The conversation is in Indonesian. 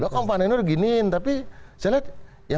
kok mbak neno begini tapi saya lihat